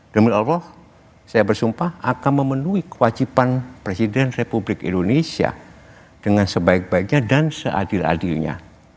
demi allah saya bersumpah akan memenuhi kewajiban presiden republik indonesia dengan sebaik baiknya dan seadil adilnya